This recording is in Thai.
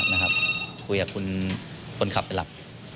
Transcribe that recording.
คุยกับคุณคนขาดเป็นหลัก